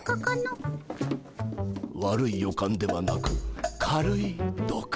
悪い予感ではなく軽い土管。